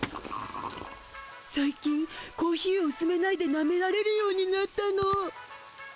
さい近コーヒーをうすめないでなめられるようになったの。